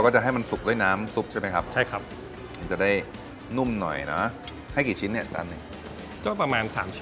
ก็ประมาณ๓ชิ้นใหญ่หลายชิ้นเหมือนกันนะครับ